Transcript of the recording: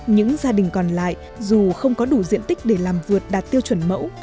những gia đình còn lại dù không có đủ diện tích để làm vượt đạt tiêu chuẩn mẫu